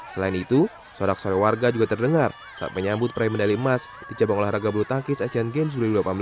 selain itu sorak sorak warga juga terdengar saat menyambut peraih medali emas di cabang olahraga bulu tangkis asian games dua ribu delapan belas